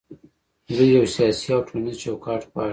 دوی یو سیاسي او ټولنیز چوکاټ غواړي.